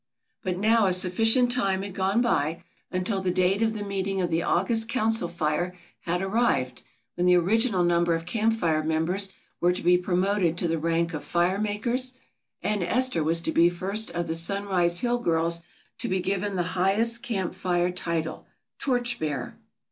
But now a sufficient time had gone by, until the date of the meeting of the August Council Fire had arrived when the original number of Camp Fire members were to be promoted to the rank of Fire Makers and Esther was to be first of the Sunrise Hill girls to be given the highest Camp Fire title Torch Bearer.